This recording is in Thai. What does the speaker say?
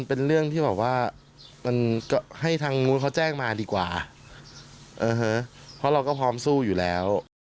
เพราะเราก็พร้อมสู้อยู่แล้ว